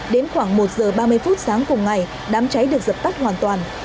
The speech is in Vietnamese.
đến khoảng một giờ ba mươi phút sáng cùng ngày đám cháy được dập tắt hoàn toàn